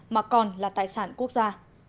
mà còn là tài sản quốc gia